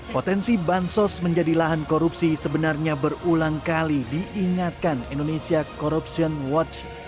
potensi bansos menjadi lahan korupsi sebenarnya berulang kali diingatkan indonesia corruption watch